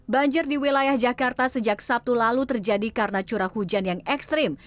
banjir di wilayah jakarta sejak sabtu lalu terjadi karena curah hujan yang ekstrim